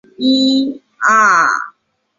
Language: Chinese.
白羽扇豆为豆科羽扇豆属下的一个种。